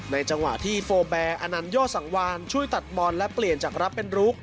จังหวะที่โฟแบร์อนันย่อสังวานช่วยตัดบอลและเปลี่ยนจากรับเป็นรุก